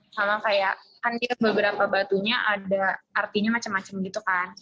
kalau kayak kan beberapa batunya ada artinya macam macam gitu kan